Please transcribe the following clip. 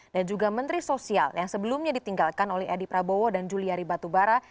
dan juga menteri sosial yang sebelumnya ditinggalkan oleh edi prabowo dan juliari batubara